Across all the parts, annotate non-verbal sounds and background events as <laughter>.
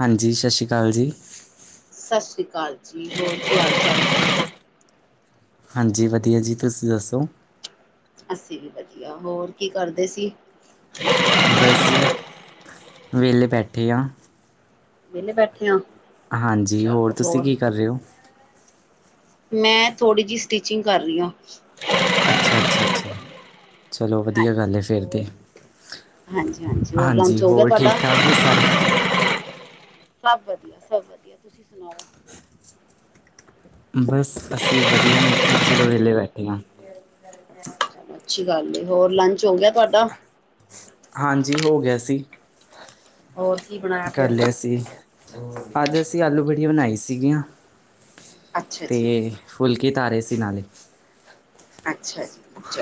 ਹਾਂਜੀ, ਸਤਿ ਸ਼੍ਰੀ ਅਕਾਲ ਜੀ। ਸਤਿ ਸ੍ਰੀ ਅਕਾਲ ਜੀ। ਹੋਰ ਕੀ ਹਾਲ ਚਾਲ। ਹਾਂਜੀ, ਵਧੀਆ ਜੀ, ਤੁਸੀਂ ਦੱਸੋ? ਅੱਸੀ ਵੀ ਵਧੀਆ, ਹੋਰ ਕੀ ਕਰਦੇ ਸੀ। ਬਸੀ ਹੀ ਵਿਹਲੇ ਬੈਠੇ ਹਾਂ ਵਿਹਲੇ ਬੈਠੇ ਆ‌। ਹਾਂਜੀ, ਹੋਰ ਤੁਸੀਂ ਕੀ ਕਰ ਰਹੇ ਹੋ? ਮੈਂ ਥੋੜੀ ਜਿਹੀ ਸਟਿਚਿੰਗ ਕਰ ਰਹੀ ਹਾਂ। ਅੱਛਾ, ਅੱਛਾ, ਅੱਛਾ, ਚਲੋ ਵਧੀਆ ਗੱਲ ਹੈ ਹਾਂਜੀ ਫਿਰ ਹੋਰ ਤੇ। ਹਾਂਜੀ, ਹਾਂਜੀ, ਹੋਰ ਲੰਚ ਹੋ ਗਿਆ ਹੋਰ ਤੁਹਾਡਾ। ਠੀਕ ਠਾਕ ਹੋ ਸਾਰੇ ਸਭ ਵਧੀਆ, ਸਭ ਵਧੀਆ, ਤੁਸੀਂ ਸੁਣਾਓ? ਬਸ ਅਸੀਂ ਵਧੀਆ। ਮੈਂ ਕਿਹਾ-ਚਲੋ ਵਿਹਲੇ ਬੈਠੇ ਹਾਂ। ਅੱਛੀ ਗੱਲ, ਹੋਰ ਲੰਚ ਹੋ ਗਿਆ ਤੁਹਾਡਾ ਹਾਂਜੀ ਹੋ ਗਿਆ ਸੀ। ਹੋਰ ਕੀ ਬਣਾਇਆ ਕਰ ਫਿਰ ਲਿਆ ਸੀ। ਅੱਜ ਅਸੀਂ ਆਲੂ, ਬੜੀਆ ਬਣਾਈ ਸੀਗੀਆਂ ਅੱਛਾ ਤੇ ਜੀ ਫੁਲਕੇ ਧਾਰੇ ਸੀ ਨਾਲੇ ਅੱਛਾ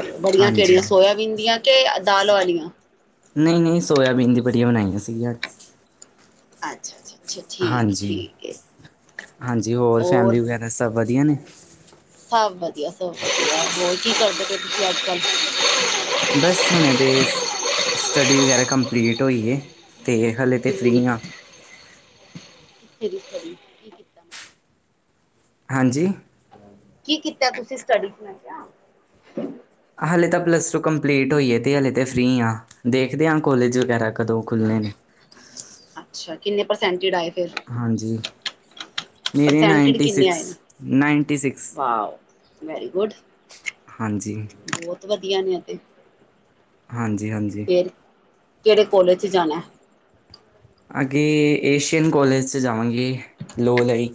ਜੀ। ਬੜੀਆਂ ਹਾਂਜੀ ਕਿਹੜੀਆਂ ਸੋਆਬੀਨ ਦੀਆਂ ਕਿ ਦਾਲ ਵਾਲੀਆਂ। ਨਹੀਂ ਨਹੀਂ ਸੋਇਆਬੀਨ ਦੀ ਬੜੀਆਂ ਬਣਾਈਆਂ ਸੀਗੀਆਂ। ਅੱਛਾ-ਅੱਛਾ। ਹਾਂਜੀ-ਹਾਂਜੀ, ਹੋਰ ਫੈਮਲੀ ਵਗੈਰਾ ਸਭ ਵਧੀਆ ਨੇ। ਸਭ ਵਧੀਆ-ਸਭ ਵਧੀਆ, ਹੋਰ ਕੀ ਕਰਦੇ ਪਏ ਤੁਸੀਂ ਅੱਜ-ਕੱਲ? ਬਸ ਹੁਣੇ ਦੇਸ ਸਟੱਡੀ ਵਗੈਰਾ ਕੰਮਪਲੀਟ ਹੋਈਏ। ਤੇ ਹਾਲੇ ਤੇ ਕਿੰਨੀ ਫ੍ਰਰੀ ਹਾਂ। <inaudible> ਕੀ ਕੀਤਾ ਮਤਲਬ? ਹਾਂਜੀ। ਕੀ ਕੀਤਾ ਤੁਸੀਂ ਸਟਡੀ ਚ ਮੈਂ ਕਿਹਾ? ਹਲੇ ਤਾਂ ਪਲੱਸ ਟੂ ਕੰਪਲੀਟ ਹੋਈ ਹੈ ਤੇ ਹਲੇ ਤੇ ਫ੍ਰਰੀ ਆ ਦੇਖਦੇ ਹਾਂ ਕੋਲੇਜ ਵਗੈਰਾ ਕਦੋਂ ਖੁਲਨੇ ਨੇ। ਅੱਛਾ ਕਿੰਨੇ ਪ੍ਰਸੈਂਟੇਡ ਆਏ। ਫਿਰ ਹਾਂਜੀ। ਮੇਰੇ ਪਰਸੈਂਟੇਜ ਨਾਈਨਟੀ ਕਿੰਨੇ ਆਏ ਨੇ six ninety six. Wow very good ਹਾਂਜੀ ਬਹੁਤ ਵਧੀਆ ਨੇ ਉਹਤੇ। ਹਾਂਜੀ-ਹਾਂਜੀ। ਕਿਹੜੇ ਕੋਲੇਜ ਜਾਣਾ ਏ? ਅੱਗੇ ਏਸ਼ੀਅਨ ਕੋਲੇਜ ਚ ਜਾਵਾਂਗੇ ਲੋਅ ਲਈ।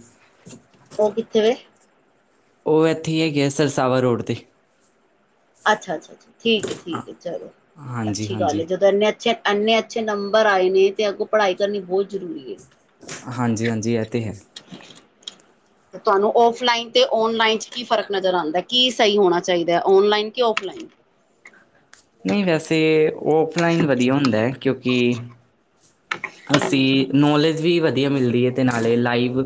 ਉਹ ਕਿੱਥੇ ਵੈ? ਉਹ ਇੱਥੇ ਹੀ ਹੈਗੇ ਆ, ਸਰਸਾਵਾ ਰੋਡ ਤੇ। ਅੱਛਾ-ਅੱਛਾਜੀ ਠੀਕ ਏ, ਹਾਂ ਠੀਕ ਏ ਚਲੋ, ਹਾਂਜੀ ਅੱਛੀ ਗੱਲ ਹਾਂਜੀ ਜਦੋਂ ਇੰਨੇ ਅੱਛੇ ਇੰਨੇ ਅੱਛੇ ਨੰਬਰ ਆਏ ਨੇ ਤੇ ਅੱਗੋਂ ਪੜ੍ਹਾਈ ਕਰਨੀ ਬਹੁਤ ਜ਼ਰੂਰੀ ਏ। ਹਾਂਜੀ-ਹਾਂਜੀ, ਇਹ ਤਾਂ ਹੈ। ਤੇ ਤੁਹਾਨੂੰ ਫੋਲਾਈਨ ਤੇ ਔਨਲਾਈਨ ਚ ਕੀ ਫਰਕ ਨਜ਼ਰ ਆਂਦਾ ਕੀ ਸਹੀ ਹੋਣਾ ਚਾਹੀਦਾ ਹੈ ਔਨਲਾਈਨ ਕਿਫੌਨ ਲਾਇਨ ਨਹੀਂ ਵੈਸੇ ਔਫਲਾਈਨ ਵਧੀਆ ਹੁੰਦਾ ਹੈ। ਕਿਉਂਕਿ ਹਮ ਅਸੀਂ ਨੋਲੇਜ ਵੀ ਵਧੀਆ ਮਿਲਦੀ ਹੈ ਤੇ ਨਾਲੇ ਲਾਈਵ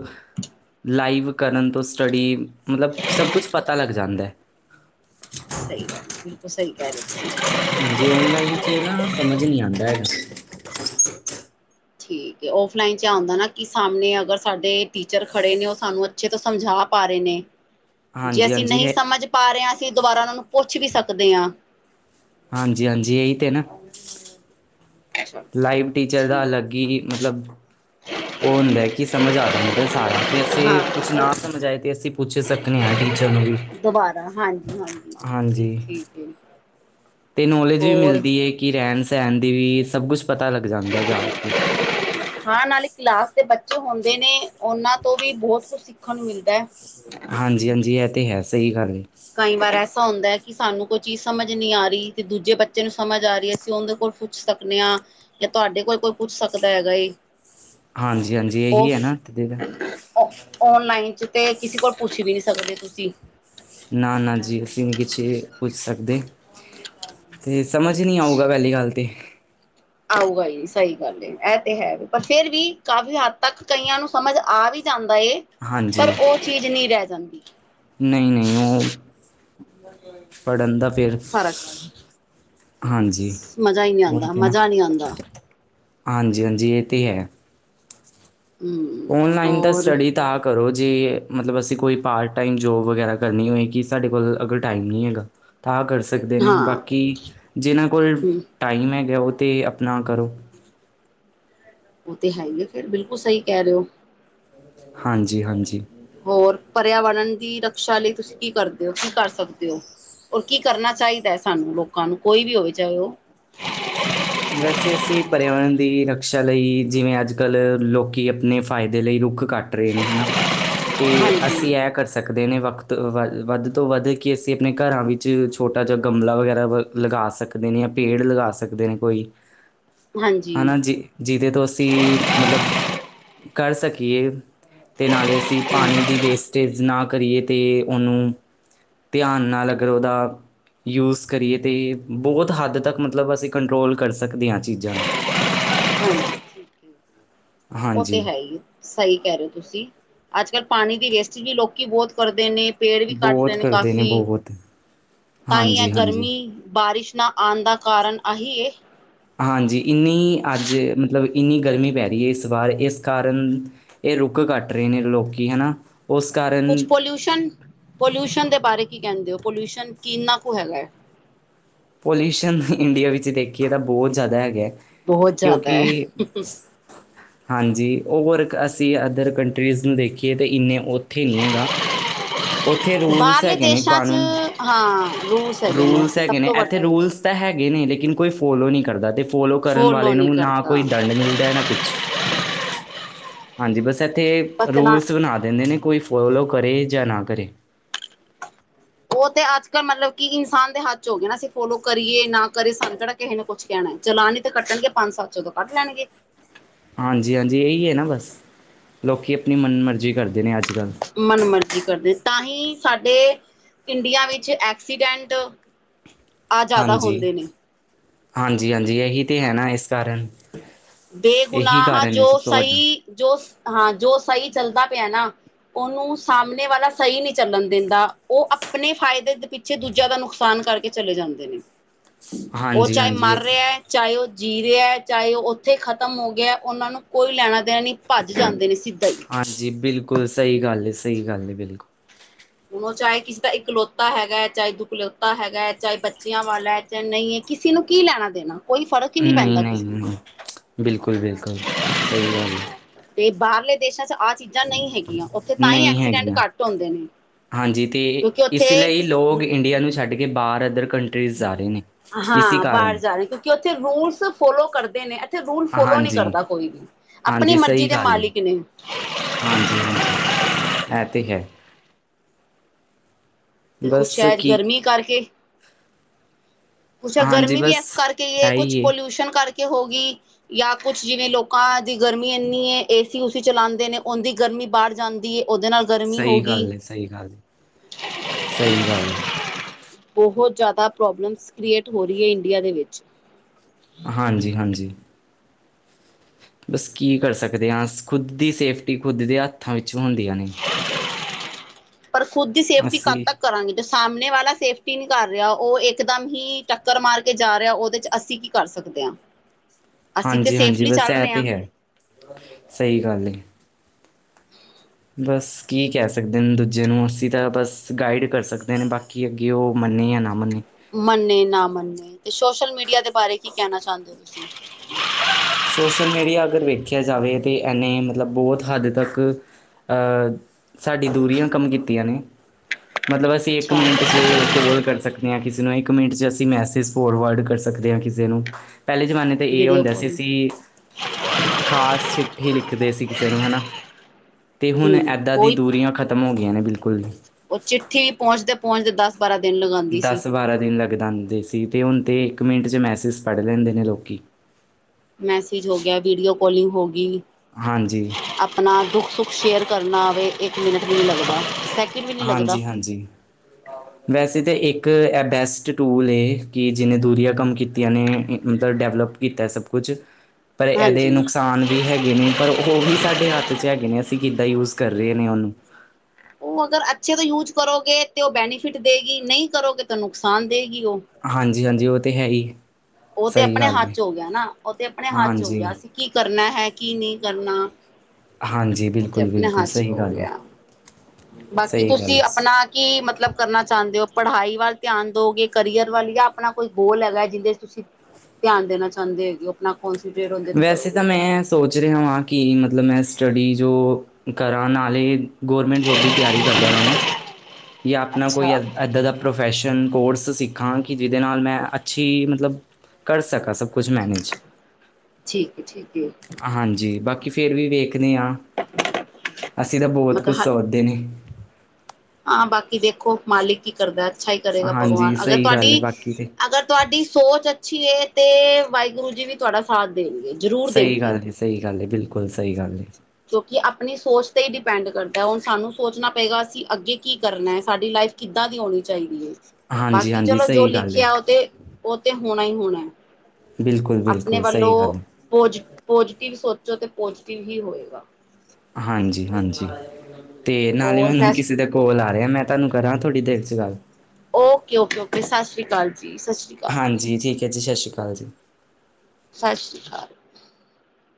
ਲਾਈਵ ਕਰਨ ਤੋਂ ਸਟੱਡੀ ਮਤਲਬ ਸਭ ਕੁਛ ਪਤਾ ਲੱਗ ਜਾਂਦਾ ਹੈ। ਸਹੀ ਗੱਲ ਬਿਲਕੁਲ ਸਹੀ ਕਹਿ ਰਹੇ ਹੋ ਤੁਸੀਂ। ਹਾਂਜੀ, ਔਨਲਾਈਨ ਚ ਨਾ ਸਮਝ ਨੀ ਆਉਂਦਾ ਹੈਗਾ। ਠੀਕ ਏ, ਓਫਲਾਈਨ ਚ ਆਉਂਦਾ ਨਾ ਸਾਹਮਣੇ ਅਗਰ ਸਾਡੇ ਟੀਚਰ ਖੜੇ ਨੇ ਉਹ ਸਾਨੂੰ ਅੱਛੇ ਤੋਂ ਸਮਝਾ ਪਾ ਰਹੇ ਨੇ। ਜੇ ਹਾਂਜੀ ਅਸੀਂ ਹਾਂਜੀ ਨਹੀਂ ਹੈ ਸਮਝ ਪਾ ਰਹੇ ਹ ਅਸੀਂ ਦੁਬਾਰਾ ਉਹਨਾਂ ਨੂੰ ਪੁੱਛ ਵੀ ਸਕਦੇ ਹਾਂ। ਹਾਂਜੀ-ਹਾਂਜੀ, ਇਹ ਤੇ ਨਾ। ਲਾਈਵ ਟੀਚਰ ਦਾ ਅਲੱਗ ਠੀਕ ਹੀ ਮਤਲਬ ਉਹ ਹੁੰਦਾ ਕਿ ਸਮਝ ਆ ਜਾਂ ਹੁੰਦਾ ਸਾਰਾ ਅਤੇ ਅਸੀਂ ਕੁਛ ਹਾਂ ਨਾ ਸਮਝ ਆਏ ਅਤੇ ਅਸੀਂ ਪੁੱਛ ਸਕਦੇ ਹਾਂ ਟੀਚਰ ਨੂੰ ਵੀ। ਦੁਬਾਰਾ ਹਾਂਜੀ--ਹਾਂਜੀ ਹਾਂਜੀ ਠੀਕ-ਠੀਕ ਹੈ। ਤੇ ਨੌਲੇਜ ਵੀ ਹੋਰ ਮਿਲਦੀ ਹੈ ਕਿ ਰਹਿਣ- ਸਹਿਣ ਦੀ ਵੀ ਸਭ ਕੁਛ ਪਤਾ ਲੱਗ ਜਾਂਦਾ ਜਾ ਕੇ ਹਾਂ, ਨਾਲੇ ਕਲਾਸ ਦੇ ਬੱਚੇ ਜੋਹੁੰਦੇ ਨੇ ਉਹਨਾਂ ਤੋਂ ਵੀ ਬਹੁਤ ਕੁਝ ਸਿੱਖਣ ਨੂੰ ਮਿਲਦਾ ਹੈ। ਹਾਂਜੀ-ਹਾਂਜੀ ਇਹ ਤੇ ਹੈ ਸਹੀ ਗੱਲ ਏ। ਕਈ ਵਾਰ ਐਸ ਐਸਾ ਹੁੰਦਾ ਹੈ ਕਿ ਸਾਨੂੰ ਕੋਈ ਚੀਜ਼ ਸਮਝ ਨਹੀ ਆ ਰਹੀ ਤੇ ਦੂਜੇ ਬੱਚੇ ਨੂੰ ਸਮਝ ਆ ਰਹੀ ਅਸੀਂ ਉਹਦੇ ਕੋਲ ਪੁੱਛ ਸਕਦੇ ਹਾਂ। ਜਾਂ ਤੁਹਾਡੇ ਕੋਲ ਕੋਈ ਪੁੱਛ ਸਕਦਾ ਹੈਗਾ। ਹਾਂਜੀ-ਹਾਂਜੀ ਇਹੀ ਉਫ ਹੈ ਨਾ ਔ ਔਨਲਾਈਨ ਚ ਤੇ ਕਿਸੇ ਕੋਲ ਪੁੱਛ ਵੀ ਨਹੀਂ ਸਕਦੇ ਤੁਸੀਂ। ਨਾ-ਨਾ ਜੀ ਅਸੀਂ ਉਨਛ ਪੁੱਛ ਸਕਦੇ। ਸਮਝ ਨੀ ਆਊਗਾ ਪਹਿਲੀ ਗੱਲ ਤੇ। ਆਓ ਗਾਹੀ ਸਹੀ ਗੱਲ ਏ, ਤੇ ਹੈ ਵੀ ਪਰ ਫੇਰ ਵੀ ਕਾਫ਼ੀ ਹੱਦ ਤੱਕ ਕਈਆਂ ਨੂੰ ਸਮਝ ਆ ਵੀ ਜਾਂ ਏ ਪਰ ਹਾਂਜੀ ਉਹ ਚੀਜ਼ ਨੀ ਰਹਿ ਜਾਂਦੀ ਨਹੀਂ-ਨਹੀਂ ਉ ਪੜ੍ਹਨ ਦਾ ਫਿਰ, ਫ਼ਰਕ ਹਾਂਜੀ ਮਜ਼ਾ ਹੀ ਨਹੀਂ ਉਹ ਆਉਂਦਾ ਤੇ ਨਾ ਮਜ਼ਾ ਨਹੀਂ ਆਉਂਦਾ ਹਾਂਜੀ-ਹਾਂਜੀ ਏ ਤੇ ਹੈ। ਹਮ ਔਨਲਾਈਨ ਤਾਂ ਔਰ ਸਟਡੀ ਤਾਂ ਕਰੋ ਜੇ ਮਤਲਬ ਅਸੀਂ ਕੋਈ ਪਾਰਟ ਟਾਈਮ ਜੋਬ ਵਗੈਰਾ ਕਰਨੀ ਹੋਏਵੇ ਕਿ ਸਾਡੇ ਕੋਲ ਅਗਰ ਟਾਈਮ ਨੀ ਹੈਗਾ ਤਾਂ ਕਰ ਸਕਦੇ ਨੇ ਹਾਂ ਬਾਕੀ ਜਿਨ੍ਹਾਂ ਕੋਲ ਹਮ ਟਾਈਮ ਹੈਗਾ ਉ ਤੇ ਅਪਨਾ ਕਰੋ ਉ ਤੇ ਹੈਈ ਐ ਫਿਰ ਬਿਲਕੁਲ ਸਈ ਕੇ ਰਹੇ ਔ। ਹਾਂਜ- ਹਾਂਜੀ ਹੋਰ ਪਰਿਆਵਰਨ ਦੀ ਰਕਸ਼ਾ ਲਈ ਤੁਸੀਂ ਕੀ ਕਰਦੇ ਔ? ਕੀ ਕਰ ਸਕਦੇ ਔ? ਔਰ ਕੀ ਕਰਨਾ ਚਾਈਦਾ ਐਂ ਸਾਨੂੰ ਲੋਕਾਂ ਨੂੰ? ਕੋਈ ਵੀ ਹੋਵੇ ਚਾਹੇ ਉ ਵੈਸੇ ਅਸੀਂ ਪਰਿਆਵਰਨ ਦੀ ਰਕਸ਼ਾ ਲਈ ਜਿਵੇਂ ਅੱਜ ਕੱਲ੍ਹ ਲੋਕੀ ਆਪਣੇ ਫ਼ਾਇਦੇ ਲਈ ਰੂਖ ਕੱਟ ਰੇ ਨੇ ਹੈਨਾ ਤੇ ਹਾਂਜੀ। ਅਸੀਂ ਇਹ ਕਰ ਸਕਦੇ ਨੇ ਵਕਤ ਵ ਵੱਧ ਤੋਂ ਵੱਧ ਕਿ ਅਸੀਂ ਆਪਣੇ ਘਰਾਂ ਵਿੱਚ ਛੋਟੇ ਤ ਜਾ ਗਮਲਾ ਵਗੈਰਾ ਲਗਾ ਸਕਦੇ ਨੇ, ਜਾਂ ਪੇੜ ਲਗਾ ਸਕਦੇ ਨੇ। ਕੋਈ ਹਾਂਜੀ ਹੈਨਾ ਜਿ ਜਿਹਦੇ ਤੋਂ ਅਸੀਂ ਮਤਲਬ ਕਰ ਸਕੀਏ ਤੇ ਨਾਲੇ ਅਸੀਂ ਪਾਨੀ ਦੀ ਵੇਸਟੇਜ ਨਾ ਕਰੀਏ ਤੇ ਉਨੂੰ ਧਿਆਨ ਨਾਲ ਅਗਰ ਔਦਾ ਯੂਜ਼ ਕਰੀਏ ਤੇ ਬੋਤ ਹੱਦ ਤੱਕ ਮਤਲਬ ਅਸੀਂ ਕੰਟਰੋਲ ਕਰ ਸਕਦੇ ਹਾਂ ਚੀਜ਼ਾਂ ਨੂੰ। ਹਾਂਜੀ ਠੀਕ ਹੈ, ਉਹ ਤੇ ਹਾਂਜੀ ਹੈ ਈ ਸਹੀ ਕਹਿ ਰਹੇ ਤੁਸੀਂ ਅੱਜ ਕੱਲ ਪਾਣੀ ਦੀ ਵੇਸਟਜ ਵੀ ਲੋਕ ਬਹੁਤ ਕਰਦੇ ਨੇ ਪੇੜ ਵੀ ਕੱਟ ਰੇ ਬਹੁਤ ਨੇ ਕਰਦੇ ਕਾਫ਼ੀ ਬਹੁਤ ਤਾਂ ਹੀ ਹੈ ਹਾਂਜੀ ਹਾਂਜੀ ਗਰਮੀ, ਬਾਰਿਸ਼ ਨਾ ਆਣ ਦਾ ਕਾਰਨ ਆਹੀ ਏ ਹਾਂਜੀ, ਇੰਨੀ ਅੱਜ ਮਤਲਬ ਇੰਨੀ ਗਰਮੀ ਪੈ ਰਹੀ ਹੈ ਇਸ ਵਾਰ ਇਸ ਕਾਰਨ, ਇਹ ਰੁੱਖ ਕੱਟ ਰਹੇ ਨੇ ਲੋਕੀ ਹੈ ਨਾ ਕੁਛ ਪੋਲਿਊਸ਼ਨ, ਪੋਲਿਊਸ਼ਨ ਦੇ ਬਾਰੇ ਕੀ ਕੇਂਦੇ ਔ, ਪੋਲਿਊਸ਼ਨ ਕਿੰਨਾ ਕੁ ਹੈਗਾ ਐਂ? ਪੋਲਿਊਸ਼ਨ ਇੰਡੀਆ ਵਿੱਚ ਦੇਖੀਏ ਤਾਂ ਬੋਤ ਜ਼ਾਦਾ ਹੈਗੇ ਬਹੁਤ ਜ਼ਿਆਦਾ ਕਿਉਂਕਿ, ਹੈ। ਹਾਂਜੀ, ਓਵਰ ਅਸੀਂ ਅਦਰ ਕੰਟਰੀਜ਼ ਨੂੰ ਦੇਖੀਏ ਤਾਂ ਇੰਨੇ ਉੱਥੇ ਨੀ ਹੈਗਾ। ਉੱਥੇ ਰੂਲਸ ਬਾਹਰਲੇ ਹੈਗੇ ਨੇ ਦੇਸ਼ਾਂ ਚ ਕਾਨੂੰਨ, ਹਾਂ ਰੂਲਸ ਹੈਗੇ ਨੇ ਰੂਲਸ ਉੱਥੇ ਸਭ ਹੈਗੇ ਨੇ ਤੋਂ ਇੱਥੇ ਵੱਡਾ ਏ। ਰੂਲਸ ਤਾਂ ਹੈਗੇ ਨੇ ਲੇਕਿਨ ਕੋਈ ਫੋਲੋ ਨੀ ਕਰਦਾ ਦੇ ਫੋਲੋ ਕਰਨ ਵਾਲੇ ਨੀ ਨੂੰ ਨਾ ਕੋਈ ਕਰਦਾ ਦੰਡ ਮਿਲਦਾ ਨਾ ਕੁਛ। ਹਾਂਜੀ, ਬਸ ਏਥੇ ਪਰ ਚਲਾ ਰੂਲਸ ਬਨਾ ਦਿੰਦੇ ਨੇ ਕੋਈ ਫੋਲੋ ਕਰੇ ਜਾ ਨਾ ਕਰੇ। ਉਹ ਤੇ ਅੱਜ ਕੱਲ੍ਹ ਮਤਲਬ ਕਿ ਇਨਸਾਨ ਦੇ ਹੱਥ 'ਚ ਹੋ ਗਏ ਨਾ ਅਸੀਂ ਫੋਲੋ ਕਰੀਏ ਨਾ ਕਰੇ ਸਾਨੂੰ ਕੇੜਾ ਕਿਹੇ ਨੇ ਕੁਛ ਕਹਿਣਾ। ਚਲਾਨ ਨੀ ਤੇ ਕੱਟਣਗੇ ਪੰਜ-ਸੱਤ ਸੌ ਤੋਂ ਕੱਟ ਲੈਣਗੇ। ਹਾਂਜੀ-ਹਾਂਜੀ ਏਈ ਏ ਨਾ ਬਸ ਲੋਕੀ ਅਪਨੀ ਮਨ ਮਰਜ਼ੀ ਕਰਦੇ ਨੇ ਅੱਜ ਕੱਲ ਮਨ ਮਰਜੀ ਕਰਦੇ ਤਾਂ ਹੀ ਸਾਡੇ ਇੰਡੀਆ ਵਿੱਚ ਐਕਸੀਡੈਂਟ ਆ ਜ਼ਾਦਾ ਹੁੰਦੇ ਨੇ ਹਾਂਜੀ-ਹਾਂਜੀ, ਏਹੀ ਤੇ ਹੈਨਾ ਇਸ ਕਾਰਨ ਇਹੀ ਬੇਗੁਨਾਹ ਕਾਰਨ ਹੈ ਜੋ ਸਭ ਤੋਂ ਵੱਡਾ ਸਹੀ ਜੋ ਹਾਂ ਜੋ ਸਹੀ ਚੱਲਦਾ ਪਿਆ ਨਾ ਉਨੂੰ ਸਾਹਮਣੇ ਵਾਲਾ ਸਹੀ ਨੀ ਚੱਲਣ ਦੇਂਦਾ ਉਹ ਅਪਨੇ ਫਾਇਦੇ ਪਿੱਛੇ ਦੂਜਿਆਂ ਦਾ ਨੁਕਸਾਨ ਕਰਕੇ ਚਲੇ ਜਾਂਦੇ ਨੇ ਉ ਹਾਂਜੀ ਚਾਏ ਹਾਂਜੀ ਮਰ ਇਹ- ਰਿਆਂ ਚਾਹੇ ਉਹ ਜੀ ਰਿਆਂ, ਚਾਹੇ ਉਹ ਉੱਥੇ ਖਤਮ ਹੋ ਗਿਆ ਉਨਾਂ ਨੂੰ ਕੋਈ ਲੈਣਾ ਦੇਣਾ ਨਹੀਂ ਭੱਜ ਜਾਂਦੇ ਨੇ ਸਿੱਧਾ ਹੀ ਹਾਂਜੀ, ਬਿਲਕੁਲ ਸਹੀ ਗੱਲ ਐਂ, ਸਹੀ ਗੱਲ ਐਂ ਬਿਲਕੁਲ ਹੁਣ ਉਹ ਚਾਹੇ ਕਿਸੇ ਦਾ ਇਕਲੋਤਾ ਹੈਗਾ। ਚਾਹੇ ਦੁਕਲੋਤਾ ਹੈਗਾ, ਚਾਹੇ ਬੱਚਿਆਂ ਵਾਲਾ ਚਾਹੇ ਨਹੀਂ। ਕਿਸੇ ਨੂੰ ਕੀ ਲੈਣਾ ਦੇਣਾ। ਕੋਈ ਫ਼ਰਕ ਹੀ ਨਹੀਂ ਪੈਂਦਾ ਕਿਸੇ ਨੂੰ ਨਹੀਂ-ਨਹੀਂ, ਬਿਲਕੁਲ-ਬਿਲਕੁਲ, ਸਈ ਗੱਲ ਐ। ਤੇ ਬਾਹਰਲੇ ਦੇਸਾਂ ਚ ਆਹ ਚੀਜ਼ਾਂ ਨਹੀਂ ਹੈਗੀਆਂ ਉੱਥੇ ਤਾਂਹੀ ਨਹੀਂ ਐਕਸੀਡੈਂਟ ਹੈਗੀਆਂ ਘੱਟ ਹੁੰਦੇ ਨੇ। ਹਾਂਜੀ, ਤੇ ਕਿਉਂਕਿ ਉੱਥੇ ਇਸ ਲਈ ਲੋਕ ਇੰਡੀਆ ਨੂੰ ਛੱਡ ਕੇ ਬਾਹਰ ਇਧਰ ਹਾਂ, ਬਾਹਰ ਜਾ ਰਹੇ ਕਿਉਂਕਿ ਉੱਥੇ ਰੂਲਸ ਫੋਲੋ ਕਰਦੇ ਨੇ। ਇਥੇ ਰੂਲ ਫੋਲੋ ਨਹੀਂ ਹਾਂਜੀ, ਕਰਦਾ ਕੋਈ ਵੀ ਆਪਣੀ ਮਰਜ਼ੀ ਦੇ ਮਾਲਿਕ ਨੇ। ਹਾਂਜੀ-ਹਾਂਜੀ, ਇਹ ਤੇ ਹੈ। ਤੇ ਕੁਛ ਬਸ ਐ ਕੀ ਗਰਮੀ ਕਰਕੇ। ਕੁੱਛ ਹਾਂਜੀ ਗਰਮੀ ਵੀ ਬਸ ਇਸ ਕਰਕੇ ਈ ਐ ਹੈ ਹੀ ਕੁਛ ਏ ਪੋਲਿਊਸ਼ਨ ਕਰਕੇ। ਹੋ ਗਈ ਜਾਂ ਕੁਛ ਜਿਵੇਂ ਲੋਕਾਂ ਦੀ ਗਰਮੀ ਇੰਨੀ ਐ ਏ। ਏਸੀ ਚਲਾਂਦੇ ਨੇ ਉਹਦੀ ਗਰਮੀ ਬਾਹਰ ਜਾਂਦੀ ਐ। ਸਈ ਗੱਲ ਸਈ ਗੱਲ, ਸਈ ਗੱਲ। ਬਹੁਤ ਜ਼ਿਆਦਾ ਪ੍ਰੋਬਲਮਸ ਕ੍ਰੀਏਟ ਹੋ ਰਹੀ ਇੰਡੀਆ ਦੇ ਵਿੱਚ ਹਾਂਜੀ-ਹਾਂਜੀ। ਬਸ ਕੀ ਕਰ ਸਕਦੇ ਆ ਖੁਦ ਦੀ ਸੇਫਟੀ ਖੁੱਦ ਦੇ ਹੱਥਾਂ ਵਿੱਚ ਹੁੰਦੀਆਂ ਨੇ। ਪਰ ਖੁਦ ਦੀ ਸੇਫਟੀ ਕਦ ਅਸੀਂ ਤੱਕ ਕਰਾਂਗੇ ਤੇ ਸਾਹਮਣੇ ਵਾਲਾ ਸੇਫਟੀ ਟੀ ਨਹੀਂ ਕਰ ਰਿਹਾ ਉਹ ਇਕ ਦਮ ਹੀ ਟੱਕਰ ਮਾਰ ਕੇ ਜਾ ਰਿਹਾ। ਉਹਦੇ ਚ ਅਸੀਂ ਕੀ ਕਰ ਸਕਦੇ ਆ। ਹਾਂਜੀ-ਹਾਂਜੀ, ਬਸ ਐ ਤੇ ਹੈ। ਸਈ ਗੱਲ ਬਸ ਕੀ ਕਹਿ ਸਕਦੇ ਨੇ ਦੂਜੇ ਨੂੰ ਅਸੀਂ ਤਾਂ ਬਸ ਗਾਈਡ ਕਰ ਸਕਦੇ ਨੇ ਬਾਕੀ ਅੱਗੇ ਉਹ ਮੰਨੇ ਜਾਂ ਨਾ ਮੰਨੇ ਮੰਨੇ ਨਾ ਮੰਨੇ ਤੇ ਸੋਸ਼ਲ ਮੀਡੀਆ ਦੇ ਬਾਰੇ ਕੀ ਕਹਿਣਾ ਚਾਹੁੰਦੇ ਹੋ ਤੁਸੀਂ? ਸੋਸ਼ਲ ਮੀਡੀਆ ਅਗਰ ਵੇਖਿਆ ਜਾਵੇ ਤੇ ਐਨੇ ਮਤਲਬ ਬਹੁਤ ਹੱਦ ਤੱਕ। ਆ ਸਾਡੀ ਦੂਰੀਆਂ ਕੰਮ ਕੀਤੀਆਂ ਨੇ। ਮਤਲਬ ਅਸੀਂ ਇੱਕ ਅੱਛਾ ਮਿੰਟ ਚ ਕੋਲ ਕਰ ਸਕਦੇ ਹਾਂ। ਕਿਸੇ ਨੂੰ ਇੱਕ ਮਿੰਟ ਚ ਅਸੀਂ ਮੈਸੇਜ ਫੋਰਵਰਡ ਕਰ ਸਕਦੇ ਆ ਕਿਸੇ ਨੂੰ ਪਹਿਲੇ ਜਮਾਨੇ ਤੇ ਇਹ ਵੀਡੀਓ ਹੁੰਦਾ ਸੀ। ਕਾਲਿੰਗ ਖ਼ਾਸ ਚਿੱਠੀ ਹੀ ਲਿੱਖਦੇ ਸੀ ਕਿਸੇ ਨੂੰ ਹਨਾ ਤੇ ਹੁਣ ਹਮ ਇੱਦਾਂ ਦੀ ਉਹੀ ਦੂਰੀਆਂ ਖਤਮ ਹੋ ਗਈਆਂ ਨੇ ਬਿਲਕੁਲ। ਉਹ ਚਿੱਠੀ ਪਹੁੰਚਦੇ-ਪਹੁੰਚਦੇ ਦਸ ਬਾਰਾਂ ਦਿਨ ਲਗਾਂਦੀ ਸੀ। ਰਹਿੰਦੇ ਸੀ ਤੇ ਹੁਣ ਤੇ ਇੱਕ ਮਿੰਟ ਚ ਮੈਸੇਜ ਪੜ੍ਹ ਲੈਂਦੇ ਨੇ ਲੋਕੀ। ਮੈਸੇਜ ਹੋ ਗਿਆ ਵੀਡੀਓ ਕਾਲਿੰਗ ਹੋ ਗਈ ਹਾਂਜੀ, ਆਪਣਾ ਦੁੱਖ-ਸੁੱਖ ਸ਼ੇਅਰ। ਕਰਨਾ ਆਵੇ ਇੱਕ ਮਿੰਟ ਨਹੀਂ ਲੱਗਦਾ ਸਕ ਹਾਂਜੀ-ਹਾਂਜੀ, ਵੈਸੇ ਤਾਂ ਇੱਕ ਇੱਕ ਇਹ ਬੈਸਟ ਟੂਲ ਹੈ ਕੀ ਜਿਨੇ ਦੂਰੀਆਂ ਕੰਮ ਕੀਤੀਆਂ ਨੇ ਮਤਲਬ ਡੈਵਲਪ ਕੀਤਾ ਸਭ ਕੁਛ ਪਰ ਇਹਦੇ ਹਾਂਜੀ ਨੁਕਸਾਨ ਵੀ ਹੈਗੇ ਨੇ ਪਰ ਉਹ ਵੀ ਸਾਡੇ ਹੱਥ ਚ ਹੈਗੇ ਨੇ ਅਸੀਂ ਕਿੱਦਾਂ ਯੂਜ ਕਰ ਰਹੇ ਨੇ ਉਹਨੂੰ ਓ ਅਗਰ ਅੱਛੇ ਤੋਂ ਯੂਜ ਕਰੋਗੇ ਤੇ ਓ ਬੈਨੀਫਿਟ ਦੇਗੀ ਨਹੀਂ ਕਰੋਗੇ ਤਾਂ ਨੁਕਸਾਨ ਦੇ ਗੀ। ਹਾਂਜੀ, ਹਾਂਜੀ ਉਹ ਤੇ ਹੈ ਹੀ। ਉਹ ਤੇ ਸਹੀ ਆਪਣੇ ਗੱਲ ਹੱਥ ਏ। ਚ ਹੋ ਗਿਆ, ਨਾ ਉਹ ਤੇ ਆਪਣੇ ਹੱਥ ਚ ਹੋ ਗਿਆ ਹਾਂਜੀ, ਅਸੀਂ ਕੀ ਕਰਨਾ। ਹੈ ਕੀ ਨਹੀਂ ਕਰਨਾ ਹਾਂਜੀ ਉਹ ਤਾਂ ਬਿਲਕੁਲ, ਆਪਣੇ ਬਿਲਕੁਲ ਹੱਥ ਸਹੀ 'ਹੋ ਗੱਲ ਏ, ਗਿਆ ਬਾਕੀ ਸਹੀ ਗੱਲ ਤੁਸੀਂ ਏ। ਆਪਣਾ ਕੀ ਮਤਲਬ ਕਰਨਾ ਚਾਹੁੰਦੇ ਹੋ। ਪੜ੍ਹਾਈ ਵੱਲ ਧਿਆਨ ਦੋਗੇ। ਕਰੀਅਰ ਵੱਲ ਜਾਂ ਆਪਣਾ ਕੋਈ ਗੋਲ ਹੈਗਾ ਜਿੰਦੇ ਚ ਤੁਸੀਂ। ਧਿਆਨ ਦੇਣਾ ਚਾਹੁੰਦੇ ਹੈਗੇ ਉਹ ਆਪਣਾ ਕੋਂਸਟਰੇਟ ਉਹਦੇ ਤੇ ਵੈਸੇ ਕਰੋਗੇ ਤਾਂ ਮੈਂ ਸੋਚ ਰਿਹਾ ਵਾਂ ਕਿ ਮਤਲਬ ਮੈਂ ਸਟੱਡੀ ਜੋ ਕਰਾਂ ਨਾਲੇ ਗੌਰਮੈਂਟ ਜੋਬ ਦੀ ਤਿਆਰੀ ਕਰਦਾ ਰਵਾਂ। ਜਾਂ ਆਪਣਾ ਕੋਈ ਅੱਛਾ ਇਦਾ ਦਾ ਪ੍ਰੋਫੈਸ਼ਨ ਕੋਰਸ ਸਿੱਖਾਂ ਕਿ ਜਿਹਦੇ ਨਾਲ ਮੈਂ ਅੱਛੀ ਮਤਲਬ ਕਰ ਸਕਾਂ ਸਭ, ਕੁੱਝ ਮੈਨੇਜ। ਠੀਕ ਹੈ ਠੀਕ ਹੈ ਹਾਂਜੀ, ਬਾਕੀ ਫੇਰ ਵੀ ਵੇਖਦੇ ਆ। ਅਸੀਂ ਤਾਂ ਬਹੁਤ ਕੁਝ ਮਤਲਬ ਸੋਚਦੇ ਨੇ। ਹਾਂ ਬਾਕੀ ਦੇਖੋ ਮਾਲਿਕ ਕੀ ਕਰਦਾ? ਅੱਛਾ ਹੀ ਕਰੇਗਾ ਹਾਂਜੀ ਭਗਵਾਨ ਅਗਰ ਸਹੀ ਗੱਲ ਹੈ ਬਾਕੀ ਤੇ ਤੁਹਾਡੀ--ਅਗਰ ਤੁਹਾਡੀ ਸੋਚ ਅੱਛੀਏ ਤੇ ਵਾਹਿਗੁਰੂ ਜੀ ਵੀ ਤੁਹਾਡਾ ਸਾਥ ਦੇਣਗੇ। ਜ਼ਰੂਰ ਸਹੀ ਦੇਣਗੇ ਗੱਲ ਹੈ ਸਹੀ ਗੱਲ ਹੈ ਬਿਲਕੁਲ ਸਹੀ ਗੱਲ ਹੈ ਕਿਉਂਕਿ ਆਪਣੀ ਸੋਚ ਤੇ ਹੀ ਡਿਪੈਂਡ ਕਰਦਾ ਹੁਣ ਸਾਨੂੰ ਸੋਚਣਾ ਪਏਗਾ ਅਸੀਂ ਅੱਗੇ ਕੀ ਕਰਨਾ ਹੈ ਸਾਡੀ ਲਾਈਫ ਕਿੱਦਾਂ ਦੀ ਹੋਣੀ ਚਾਹੀਦੀ ਏ? ਹਾਂਜੀ ਬਾਕੀ ਹਾਂਜੀ ਚਲੋ ਜੋ ਸਹੀ ਗੱਲ ਹੈ ਲਿਖਿਆ ਉਹ ਤੇ ਉਹ ਤੇ ਹੋਣਾ ਹੀ ਹੋਣਾ ਬਿਲਕੁਲ ਆਪਣੇ ਬਿਲਕੁਲ ਸਹੀ ਵੱਲੋਂ ਗੱਲ ਹੈ ਪੋਜ-ਪੋਜ਼ੀਟਿਵ ਸੋ ਜੋ ਤੇ ਪੋਜੀਟਿਵ ਹੀ ਹੋਏਗਾ। ਹਾਂਜੀ-ਹਾਂਜੀ। ਤੇ ਨਾਲ ਹੀ ਔਰ ਮੈਨੂੰ ਫੈਸ ਕਿਸੇ ਦੇ ਕੋਲ ਆ ਰਿਹਾ, ਮੈਂ ਤੁਹਾਨੂੰ ਕਰਾਂ ਤੁਹਾਡੀ ਦੇਰ ਚ ਗੱਲ। Okay, okay, okay. ਸਤਿ ਸ਼੍ਰੀ ਅਕਾਲ ਜੀ, ਸਤਿ ਸ਼੍ਰੀ ਅਕਾਲ। ਠੀਕ ਹੈ ਜੀ ਸਤਿ ਸ਼੍ਰੀ ਹਾਂਜੀ। ਸਤਿ ਸ਼੍ਰੀ ਅਕਾਲ।